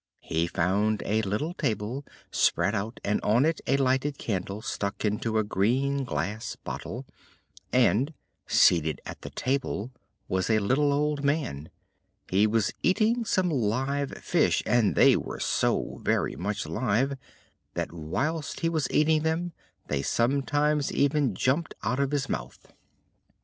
He found a little table spread out and on it a lighted candle stuck into a green glass bottle, and, seated at the table, was a little old man. He was eating some live fish, and they were so very much alive that whilst he was eating them they sometimes even jumped out of his mouth.